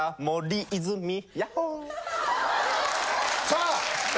さあ！